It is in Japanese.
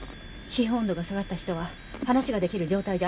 皮膚温度が下がった人は話が出来る状態じゃありません。